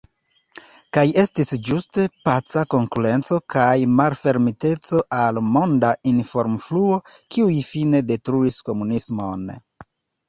Kaj estis ĝuste paca konkurenco kaj malfermiteco al monda informofluo, kiuj fine detruis komunismon.